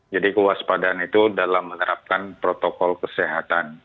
jadi kewaspadaan itu dalam menerapkan protokol kesehatan